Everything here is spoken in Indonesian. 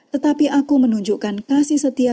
tetapi aku menunjukkan kasih setia